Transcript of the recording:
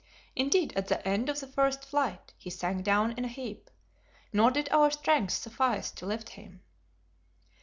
Indeed at the head of the first flight he sank down in a heap, nor did our strength suffice to lift him.